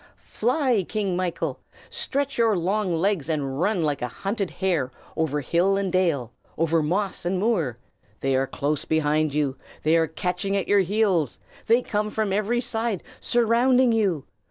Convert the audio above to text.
Fly, King Michael! stretch your long legs, and run like a hunted hare over hill and dale, over moss and moor. They are close behind you; they are catching at your heels; they come from every side, surrounding you!